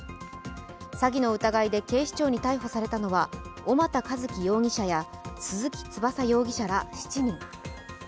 詐欺の疑いで警視庁に逮捕されたのは小俣一毅容疑者や鈴木翼容疑者ら７人。